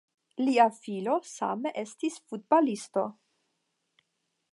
Lia filo same estis futbalisto.